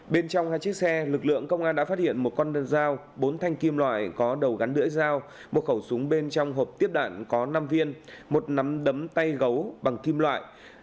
bên trong hai chiếc xe lực lượng công an đã phát hiện một con đơn dao bốn thanh kim loại có đầu gắn đưỡi dao một khẩu súng bên trong hộp tiếp đạn có năm viên một nắm đấm tay gấu bằng kim loại